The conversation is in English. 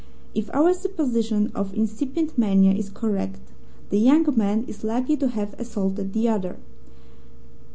If our supposition of incipient mania is correct, the young man is likely to have assaulted the other.